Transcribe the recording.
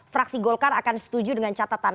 fraksi golkar akan setuju dengan catatan